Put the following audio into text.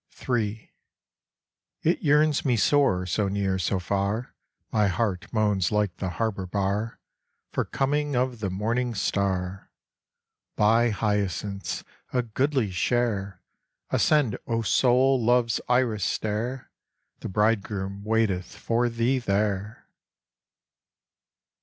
III. It yearns me sore, so near, so far! My heart moans like the harbor bar, For coming of the morning star. Buy hyacinths a goodly share! Ascend, O soul, love's iris stair, The bridegroom waiteth for thee there!